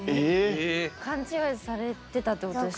勘違いされてたってことですね。